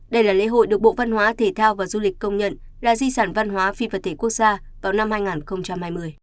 đây là lễ hội được bộ văn hóa thể thao và du lịch công nhận là di sản văn hóa phi vật thể quốc gia vào năm hai nghìn hai mươi